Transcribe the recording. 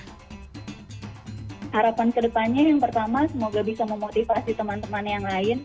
harapan kedepannya yang pertama semoga bisa memotivasi teman teman yang lain